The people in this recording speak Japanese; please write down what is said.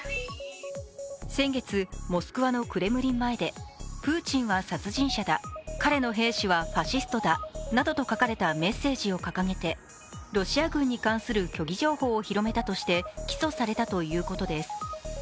先月、モスクワのクレムリン前で、プーチンは殺人者だ、彼の兵士はファシストだなどと書かれたメッセージを掲げて、ロシア軍に関する虚偽情報を広めたとして起訴されたということです。